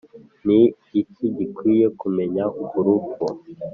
ni iki gikwiye kumenya ku rupfu?